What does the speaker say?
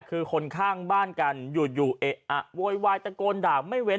คือคนข้างบ้านกันอยู่เอะอะโวยวายตะโกนด่าไม่เว้น